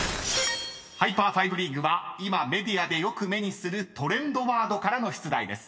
［ハイパーファイブリーグは今メディアでよく目にするトレンドワードからの出題です］